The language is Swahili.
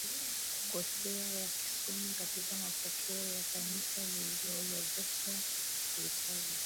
kukosea yakisomwa katika mapokeo ya Kanisa lililoorodhesha vitabu